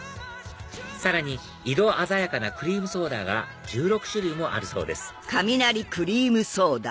さらに色鮮やかなクリームソーダが１６種類もあるそうです